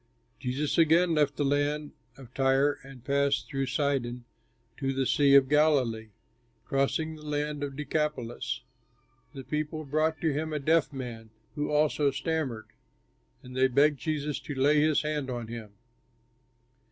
Jesus again left the land of Tyre and passed through Sidon to the Sea of Galilee, crossing the land of Decapolis. The people brought to him a deaf man, who also stammered; and they begged Jesus to lay his hand on him.